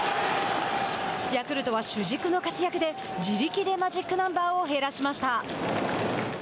ヤクルトは主軸の活躍で自力でマジックナンバーを減らしました。